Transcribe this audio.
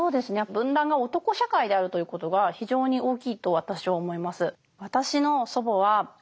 文壇が男社会であるということが非常に大きいと私は思います。